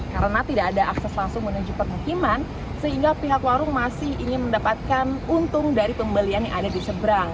karena tidak ada akses langsung menuju permukiman sehingga pihak warung masih ingin mendapatkan untung dari pembelian yang ada di seberang